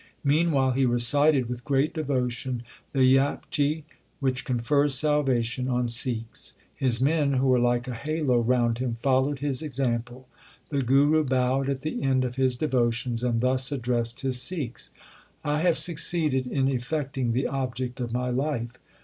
Meanwhile he recited with great devotion the Japji, which confers salvation on Sikhs. His men, who were like a halo round him, followed his example. The Guru bowed at the end of his devotions and thus addressed his Sikhs : I have succeeded in effecting the object of my life.